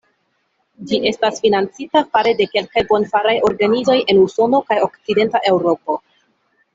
Ĝi estas financita fare de kelkaj bonfaraj organizoj en Usono kaj Okcidenta Eŭropo.